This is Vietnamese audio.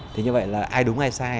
thì như vậy là ai đúng ai sai